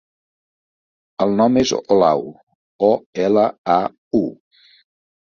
El nom és Olau: o, ela, a, u.